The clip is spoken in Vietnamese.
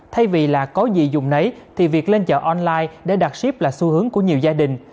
thay vì là có gì dùng nấy thì việc lên chợ online để đặt ship là xu hướng của nhiều gia đình